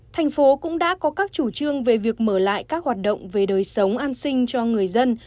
thành phố cũng đã có các chủ trương về việc mở lại các hoạt động về đời sống an sinh cho người dân